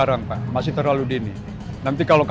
nanti mau ikut pengobatan pak